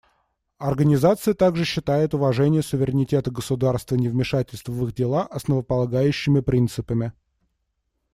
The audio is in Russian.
Организация также считает уважение суверенитета государств и невмешательство в их дела основополагающими принципами.